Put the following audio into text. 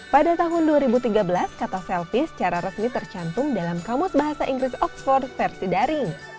pada tahun dua ribu tiga belas kata selfie secara resmi tercantum dalam kamus bahasa inggris oxford versi daring